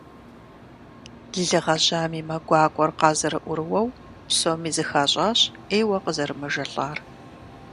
Лы гъэжьам и мэ гуакӀуэр къазэрыӀурыуэу, псоми зыхащӀащ Ӏейуэ къызэрымэжэлӀар.